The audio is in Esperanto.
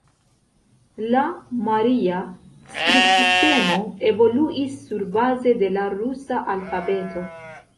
La maria skribsistemo evoluis surbaze de la rusa alfabeto.